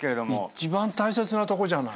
一番大切なとこじゃない。